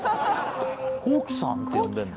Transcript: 「コウキさん」って呼んでるんだ。